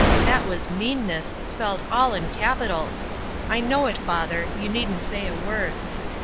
That was MEANNESS spelled all in capitals! I know it, father; you needn't say a word.